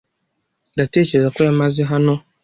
Ndatekereza ko yamaze hano.